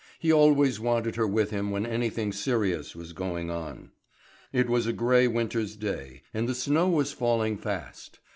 He always wanted her with him when anything serious was going on. It was a grey winter's day, and the snow was falling fast.